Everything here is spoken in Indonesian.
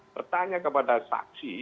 bertanya kepada saksi